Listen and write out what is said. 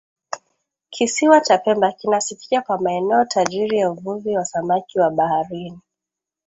Kisiwa cha Pemba kinasifika kwa maeneo tajiri ya uvuvi wa samaki wa baharini